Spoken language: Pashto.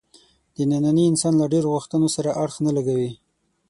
د ننني انسان له ډېرو غوښتنو سره اړخ نه لګوي.